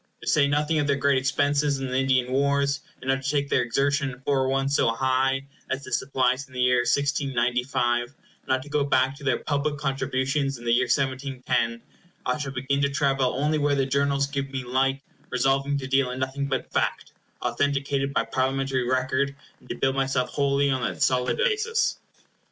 To say nothing of their great expenses in the Indian wars, and not to take their exertion in foreign ones so high as the supplies in the year 1695—not to go back to their public contributions in the year 1710—I shall begin to travel only where the journals give me light, resolving to deal in nothing but fact, authenticated by Parliamentary record, and to build myself wholly on that solid basis.